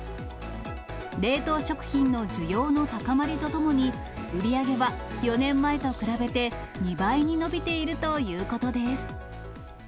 冷凍食品の需要の高まりとともに、売り上げは４年前と比べて、２倍に伸びているということです。